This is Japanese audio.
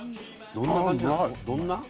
どんな？